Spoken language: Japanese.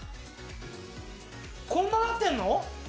こんななってんの！